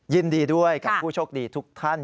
ยินดีด้วยกับผู้โชคดีทุกท่าน